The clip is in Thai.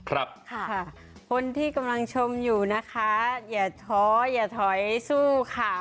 คนที่กำลังชมอยู่นะคะอย่าท้อยซู่ค่ะ